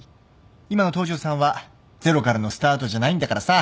今の東城さんはゼロからのスタートじゃないんだからさ。